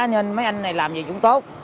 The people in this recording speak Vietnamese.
nên mấy anh này làm gì cũng tốt